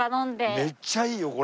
めっちゃいいよこれ。